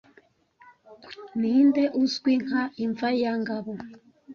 Ninde uzwi nka 'imva ya Ngabo'